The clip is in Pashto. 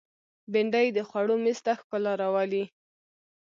بېنډۍ د خوړو مېز ته ښکلا راولي